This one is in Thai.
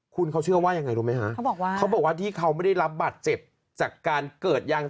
คุณเขาเชื่อว่ายังไงรู้ไหมฮะเขาบอกว่าเขาบอกว่าที่เขาไม่ได้รับบาดเจ็บจากการเกิดยาง